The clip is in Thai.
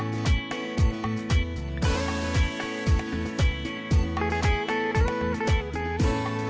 บริการที่สำรวจงาน